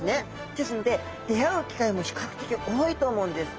ですので出会う機会も比較的多いと思うんです。